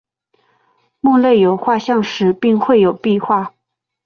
墓内有画像石并绘有壁画。